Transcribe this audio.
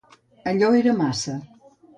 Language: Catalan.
Allò era massa.